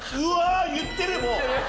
言ってるもう。